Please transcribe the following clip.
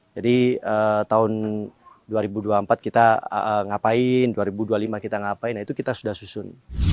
jadi tahun dua ribu dua puluh empat kita ngapain dua ribu dua puluh lima kita ngapain itu kita sudah susun